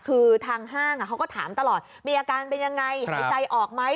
คือทางห้างเขาก็ถามตลอดมีอาการเป็นยังไงหายใจออกไหม